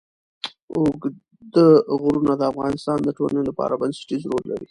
اوږده غرونه د افغانستان د ټولنې لپاره بنسټيز رول لري.